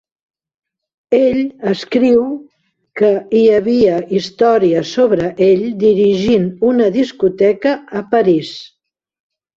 Ell escriu que hi havia històries sobre ell dirigint una discoteca a París.